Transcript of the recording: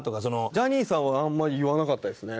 ジャニーさんはあんまり言わなかったですね。